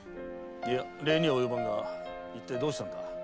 いや礼には及ばんがいったいどうしたのだ？